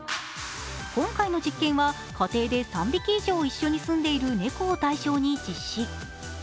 今回の実験は、家庭で３匹以上一緒に住んでいる猫を対象に実施。